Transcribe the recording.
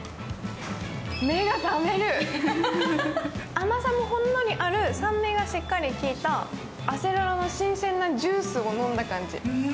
甘さもほんのりある、酸味のしっかりきいたアセロラの新鮮なジュースを飲んだ感じ。